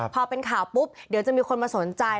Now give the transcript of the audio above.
พอเป็นข่าวปุ๊บเดี๋ยวจะมีคนมาสนใจ